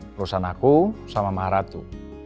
perusahaan aku sama maharatu